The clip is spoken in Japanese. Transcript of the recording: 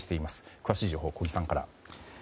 詳しい情報は小木さんから。